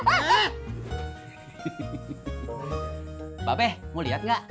mbak peh mau liat gak